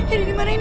ibu di mana ini